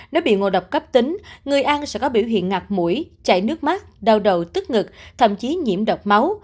nếu bị ngộ độc cấp tính người ăn sẽ có biểu hiện ngặt mũi chạy nước mắt đau đầu tức ngực thậm chí nhiễm độc máu